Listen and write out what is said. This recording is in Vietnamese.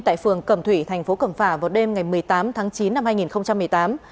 tại phường cầm thủy thành phố cầm phà vào đêm ngày một mươi tám tháng chín năm hai nghìn một mươi tám